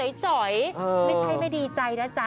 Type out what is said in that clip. จ๋อยไม่ใช่ไม่ดีใจนะจ๊ะ